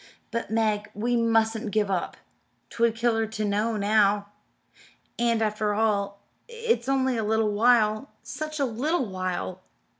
"But, Meg, we mustn't give up 'twould kill her to know now. And, after all, it's only a little while! such a little while!"